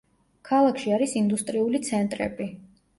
ქალაქში არის ინდუსტრიული ცენტრები.